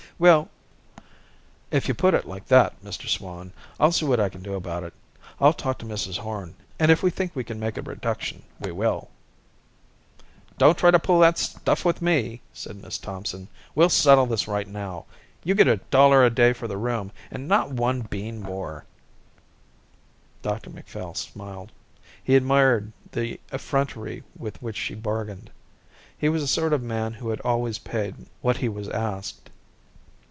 "Well, if you put it like that, Mr Swan, I'll see what I can do about it. I'll talk to Mrs Horn and if we think we can make a reduction we will." "Don't try to pull that stuff with me," said Miss Thompson. "We'll settle this right now. You get a dollar a day for the room and not one bean more." Dr Macphail smiled. He admired the effrontery with which she bargained. He was the sort of man who always paid what he was asked.